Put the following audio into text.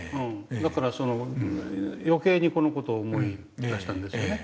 だから余計にこの事を思い出したんですよね。